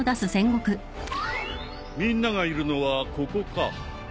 みんながいるのはここか。